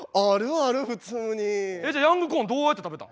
ヤングコーンどうやって食べた？